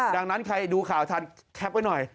ดังนั้นใครดูข่าวทันแคปไว้หน่อย